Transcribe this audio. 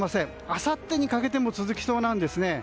あさってにかけても続きそうなんですね。